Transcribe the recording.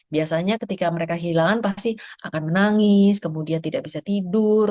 biasanya ketika mereka hilang pasti akan menangis kemudian tidak bisa tidur